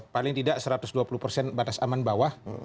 paling tidak satu ratus dua puluh persen batas aman bawah